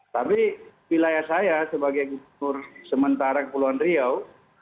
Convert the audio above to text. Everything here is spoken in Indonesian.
tapi wilayah saya sebagai gubernur sementara kepulauan riau